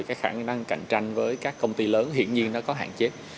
cái khả năng cạnh tranh với các công ty lớn hiện nhiên nó có hạn chế